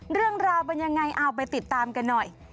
เรื่องราวเป็นยังไงเอาไปติดตามกันหน่อย